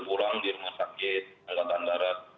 berkurang di rumah sakit alat andarat